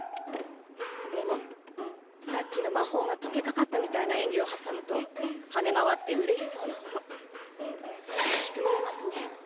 でもさっきの魔法が解けかかったみたいな演技を挟むと跳ね回ってうれしそうなほど悲しく見えますね。